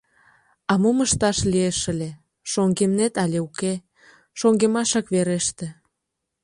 А мом ышташ лиеш ыле, шоҥгемнет але уке — шоҥгемашак вереште.